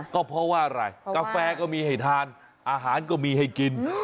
ก็เพราะว่าอะไรกาแฟก็มีให้ทานอาหารก็มีให้กิน